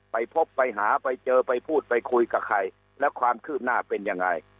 ไปพบไปหาไปเจอไปพูดไปคุยกับใครแล้วความคืบหน้าเป็นยังไง